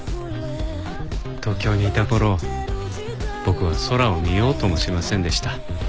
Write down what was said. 東京にいた頃僕は空を見ようともしませんでした。